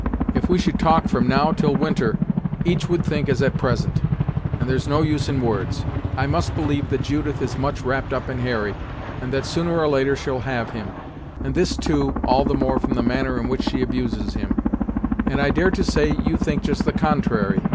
If we should talk from now till winter, each would think as at present, and there's no use in words. I must believe that Judith is much wrapped up in Hurry, and that, sooner or later, she'll have him; and this, too, all the more from the manner in which she abuses him; and I dare to say, you think just the contrary.